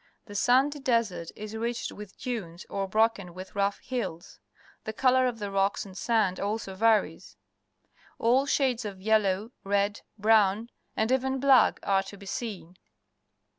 The sandy desert is ridged with dunes, or broken with rough hills. The colour of the rocks and sand also varies. All shades of yellow, red, brown, and even black, are to be seen.